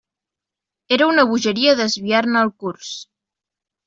Era una bogeria desviar-ne el curs.